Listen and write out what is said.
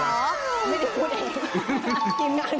ไม่ได้พูดเอง